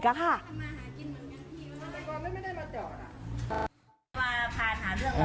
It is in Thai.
เขาก็บอกว่ามึงเป็นใครจะอยู่ที่นี่แหละ